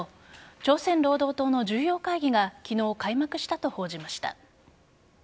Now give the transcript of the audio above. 朝鮮労働党の重要会議が昨日、開幕したと報じました。